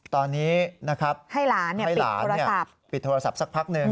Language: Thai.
ตอนนี้นะครับให้หลานปิดโทรศัพท์สักพักหนึ่ง